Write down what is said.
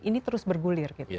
ini terus bergulir